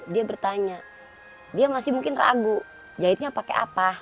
dia bertanya dia masih mungkin ragu jahitnya pakai apa